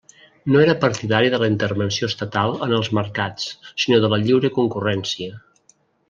No era partidari de la intervenció estatal en els mercats, sinó de la lliure concurrència.